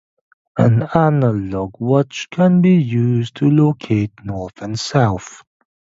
An analog watch can be used to locate north and south.